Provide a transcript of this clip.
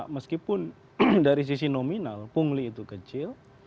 meskipun dari sisi nominal pungli itu kecil